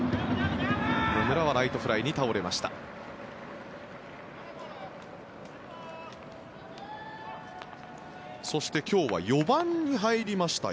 野村はライトフライに倒れました。